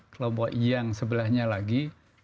kelompok yang sebelahnya lagi